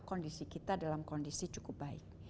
kondisi kita dalam kondisi cukup baik